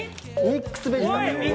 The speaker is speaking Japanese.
ミックスベジタブルを。